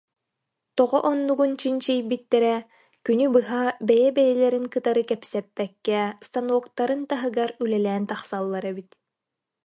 Тоҕо оннугун чинчийбиттэрэ: күнү быһа бэйэ-бэйэлэрин кытары кэпсэппэккэ станоктарын таһыгар үлэлээн тахсаллар эбит